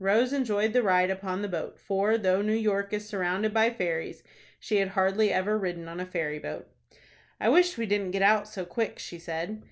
Rose enjoyed the ride upon the boat, for, though New York is surrounded by ferries, she had hardly ever ridden on a ferry boat. "I wish we didn't get out so quick," she said.